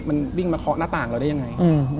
มันวิ่งมาเคาะหน้าต่างเราได้ยังไง